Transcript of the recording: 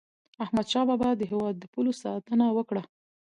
احمد شاه بابا د هیواد د پولو ساتنه وکړه.